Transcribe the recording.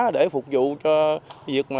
để phục vụ cho việc